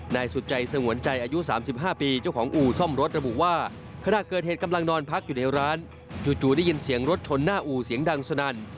นายสุดใจสงวนใจอายุ๓๕ปีเจ้าของอู่ซ่อมรถระบุว่าขณะเกิดเหตุกำลังนอนพักอยู่ในร้านจู่ได้ยินเสียงรถชนหน้าอู่เสียงดังสนั่น